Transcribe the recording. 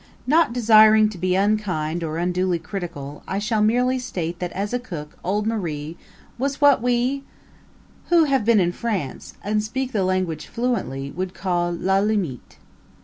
Not desiring to be unkind or unduly critical I shall merely state that as a cook old Marie was what we who have been in France and speak the language fluently would call la limite!